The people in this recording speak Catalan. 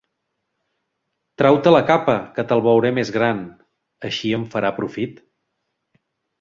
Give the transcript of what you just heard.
Trau-te la capa, que te'l veuré més gran. Així em farà profit.